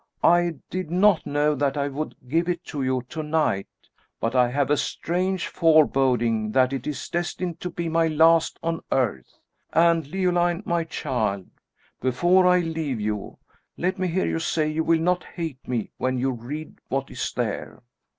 I did not know that I would give it to you to night, but I have a strange foreboding that it is destined to be my last on earth. And, Leoline my child, before I leave you, let me hear you say you will not hate me when you read what is there."